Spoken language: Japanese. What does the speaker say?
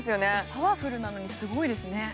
パワフルなのにすごいですね。